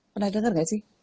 pernah denger nggak sih